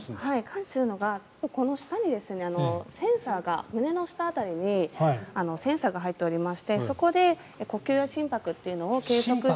感知するのがこの下にセンサーが胸の下辺りにセンサーが入っていましてそこで呼吸や心拍というのを計測して。